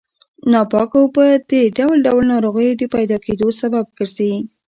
ناپاکه اوبه د ډول ډول ناروغیو د پیدا کېدو سبب ګرځي.